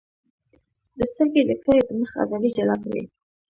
د سترګې د کرې د مخ عضلې جلا کړئ.